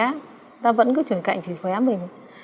người ta vẫn cứ chửi cạnh chửi khóe mình